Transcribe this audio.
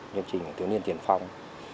chương trình thiếu niên tiền phong